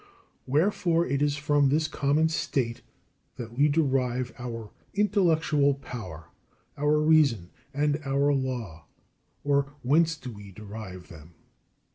Wherefore it is from this common state that we derive our intellectual power, our reason, and our law; or whence do we derive them?